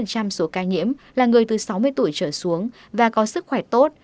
tám mươi bốn bốn số ca nhiễm là người từ sáu mươi tuổi trở xuống và có sức khỏe tốt